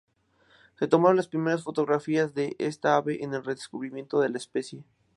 Se tomaron las primeras fotografías de esta ave en el redescubrimiento de la especie.